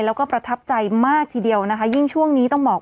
แล้วก็ประทับใจมากทีเดียวนะคะยิ่งช่วงนี้ต้องบอก